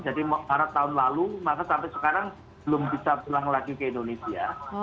jadi pada tahun lalu maka sampai sekarang belum bisa pulang lagi ke indonesia